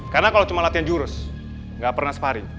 karena kalau cuma latihan jurus gak pernah separing